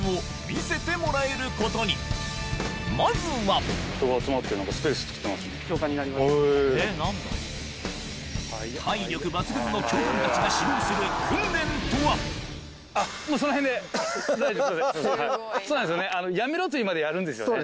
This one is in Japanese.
まずは体力抜群の教官たちが指導する訓練とはそうなんですよね。